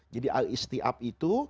jadi al istiaf itu